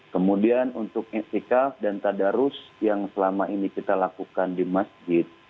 kemudian untuk istikaf dan tadarus yang selama ini kita lakukan di masjid